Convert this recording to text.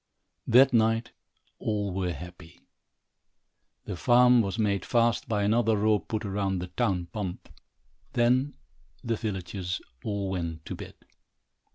That night all were happy. The farm was made fast by another rope put round the town pump. Then the villagers all went to bed.